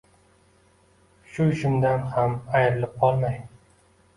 Shu ishimdan ham ayrilib qolmay.